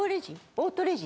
オートレジ？